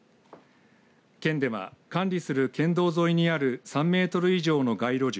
県では管理する県道沿いにある３メートル以上の街路樹